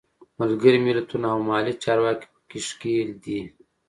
ملګري ملتونه او محلي چارواکي په کې ښکېل دي.